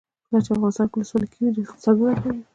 کله چې افغانستان کې ولسواکي وي اقتصاد وده کوي.